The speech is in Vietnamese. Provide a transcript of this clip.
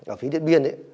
ở phía điện biên